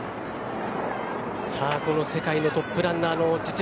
この世界のトップランナーの実力